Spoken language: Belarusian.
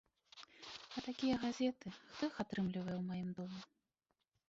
А такія газеты, хто іх атрымлівае ў маім доме?